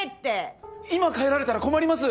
今帰られたら困ります！